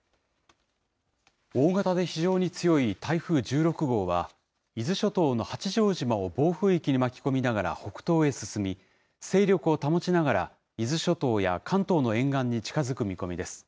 大型で非常に強い台風１６号は、伊豆諸島の八丈島を暴風域に巻き込みながら北東へ進み、勢力を保ちながら、伊豆諸島や関東の沿岸に近づく見込みです。